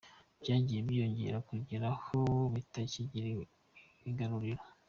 Byagiye byiyongera kugera aho bitakigira igaruriro.